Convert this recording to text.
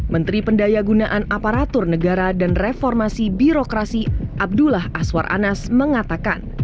menteri pendaya gunaan aparatur negara dan reformasi birokrasi abdullah aswar anas mengatakan